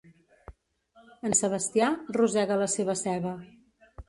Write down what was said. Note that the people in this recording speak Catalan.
En Sebastià rosega la seva ceba.